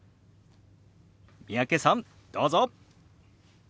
三宅さんどうぞ。